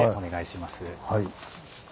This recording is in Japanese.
はい。